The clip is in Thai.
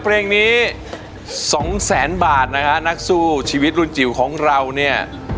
เพลงนี้สองแสนบาทนะฮะนักสู้ชีวิตรุ่นจิ๋วของเราเนี่ย